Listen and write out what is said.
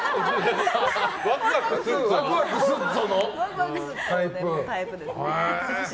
ワクワクすっぞ！